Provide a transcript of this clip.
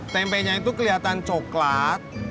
tempenya itu kelihatan coklat